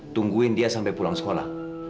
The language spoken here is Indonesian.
tungguin dia sampai pulangnya